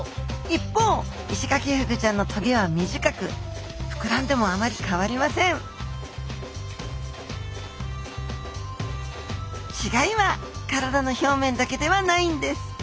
一方イシガキフグちゃんの棘は短く膨らんでもあまり変わりません違いは体の表面だけではないんです。